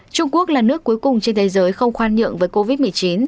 trung quốc là nước cuối cùng trên thế giới không khoan nhượng với covid một mươi chín